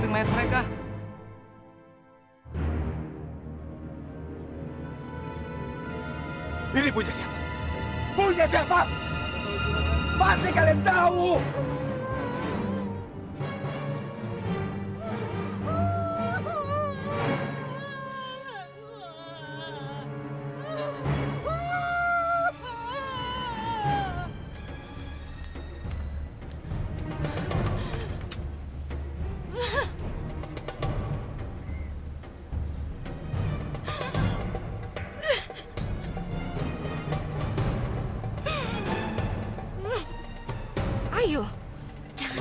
terima kasih dan lagi maaf penyayang